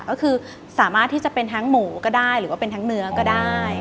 ก็คือสามารถที่จะเป็นทั้งหมูก็ได้หรือว่าเป็นทั้งเนื้อก็ได้